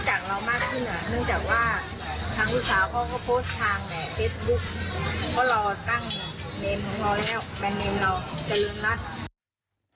เพราะเราตั้งเมนท์ของเราแล้วแบนเมนท์เราเจริญรัฐ